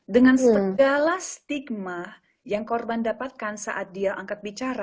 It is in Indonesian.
dengan segala stigma yang korban dapatkan saat dia angkat bicara